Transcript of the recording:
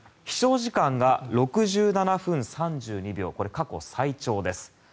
飛翔時間が６７分３２秒これは過去最長です。